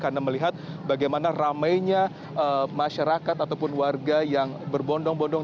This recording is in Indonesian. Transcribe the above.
karena melihat bagaimana ramainya masyarakat ataupun warga yang berbondong bondong